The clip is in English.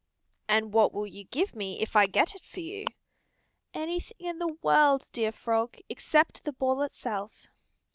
"And what will you give me if I get it for you?" "Anything in the world, dear Frog, except the ball itself."